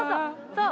そう！